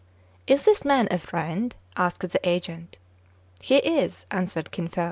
" Is this man a friend ?" asked the agent. "He is," answered Kin Fo.